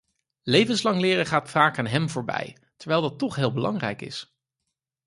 Levenslang leren gaat vaak aan hem voorbij terwijl dat toch heel belangrijk is.